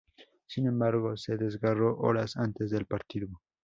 Sin embargo, se desgarro horas antes del partido.